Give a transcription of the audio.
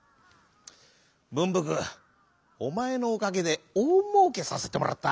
「ぶんぶくおまえのおかげでおおもうけさせてもらった。